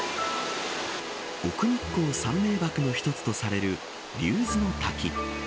奥日光三名瀑の一つとされる竜頭の滝。